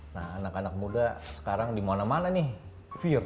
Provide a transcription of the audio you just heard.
nah anak anak muda sekarang dimana mana nih view